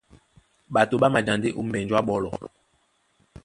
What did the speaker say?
Ɓato ɓá maja ndé ó mbenju a ɓɔ́lɔ.